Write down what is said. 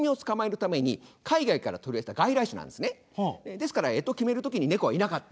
ですから干支決める時にネコはいなかった。